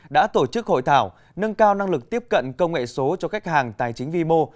đã tổ chức hội thảo nâng cao năng lực tiếp cận công nghệ số cho khách hàng tài chính vi mô